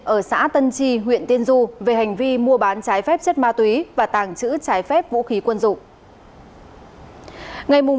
ở xã tân tri huyện tiên du về hành vi mua bán trái phép chất ma túy và tàng trữ trái phép vũ khí quân dụng